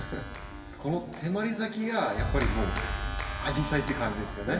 この手まり咲きがやっぱりもうアジサイって感じですよね。